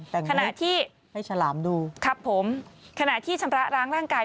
แต่ขณะที่ให้ฉลามดูครับผมขณะที่ชำระร้างร่างกาย